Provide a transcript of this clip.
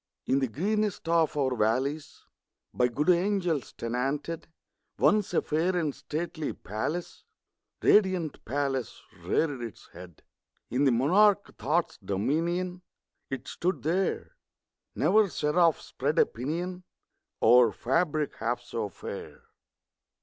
In the greenest of our valleys By good angels tenanted, Once a fair and stately palace Radiant palace reared its head. In the monarch Thought's dominion It stood there! Never seraph spread a pinion Over fabric half so fair!